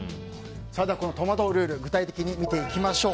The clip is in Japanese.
この戸惑うルール具体的に見ていきましょう。